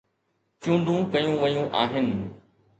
چونڊون ڪيون ويون آهن